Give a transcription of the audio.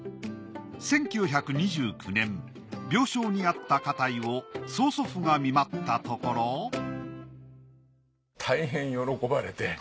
１９２９年病床にあった花袋を曽祖父が見舞ったところあ。